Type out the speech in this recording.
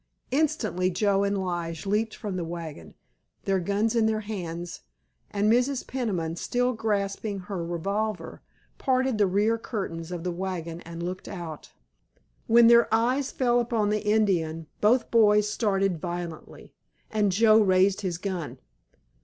Instantly Joe and Lige leaped from the wagon, their guns in their hands, and Mrs. Peniman, still grasping her revolver, parted the rear curtains of the wagon and looked out. When their eyes fell upon the Indian both boys started violently, and Joe raised his gun.